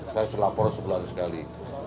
saya selapor sebelah sekali